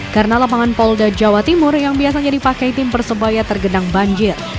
karena lapangan polda jawa timur yang biasanya dipakai tim persebaya tergedang banjir